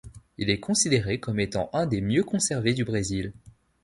Il est considéré comme étant un des mieux conservés du Brésil.